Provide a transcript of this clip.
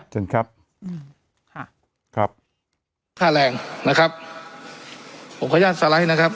เช่นครับครับค่าแรงนะครับผมขวัญญาติสาหรัยนะครับ